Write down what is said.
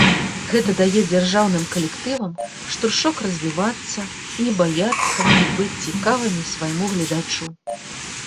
Гэта дае дзяржаўным калектывам штуршок развівацца, не баяцца і быць цікавымі свайму гледачу.